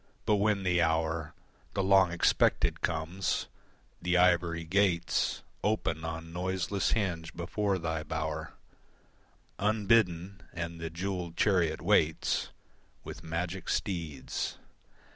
But when the hour, The long expected comes, the ivory gates Open on noiseless hinge before thy bower Unbidden, and the jewelled chariot waits With magic steeds.